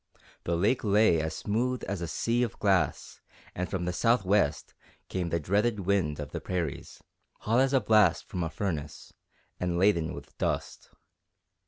The lake lay as smooth as a sea of glass and from the south west came the dreaded wind of the prairies, hot as a blast from a furnace and laden with dust.